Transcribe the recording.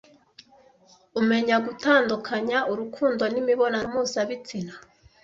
umenya gutandukanya urukundo n’imibonano mpuzabitsina